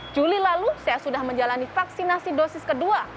juli lalu saya sudah menjalani vaksinasi dosis kedua